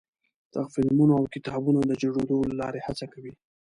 د فلمونو او کتابونو د جوړېدو له لارې هڅه کوي.